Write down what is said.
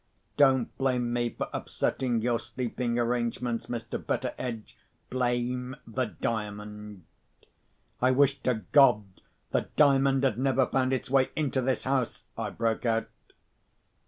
Don't blame me for upsetting your sleeping arrangements, Mr. Betteredge—blame the Diamond." "I wish to God the Diamond had never found its way into this house!" I broke out.